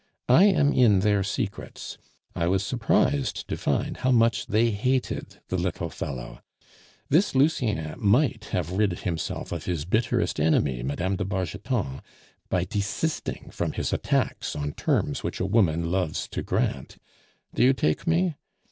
I am in their secrets; I was surprised to find how much they hated the little fellow. This Lucien might have rid himself of his bitterest enemy (Mme. de Bargeton) by desisting from his attacks on terms which a woman loves to grant do you take me?